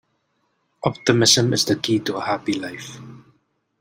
Optimism is the key to a happy life.